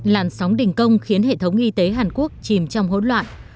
làn sóng đình công khiến hệ thống y tế hàn quốc chìm trong hỗn loạn